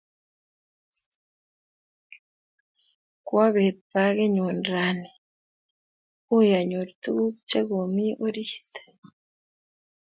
Kwabet pakinyun rani, ui anyor tukuk che komi orit